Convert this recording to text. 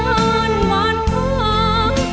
นอนหว่อนคว้อง